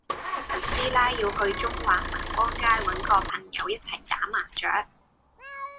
陳師奶要去中環民光街搵個朋友一齊打麻雀